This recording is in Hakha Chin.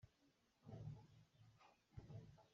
Rili tlang ah a dir.